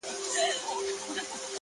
اوس مي هم ښه په ياد دي زوړ نه يمه ـ